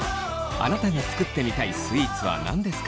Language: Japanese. あなたが作ってみたいスイーツは何ですか？